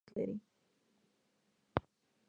د افغانستان جغرافیه کې هرات ستر اهمیت لري.